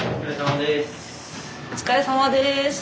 お疲れさまです。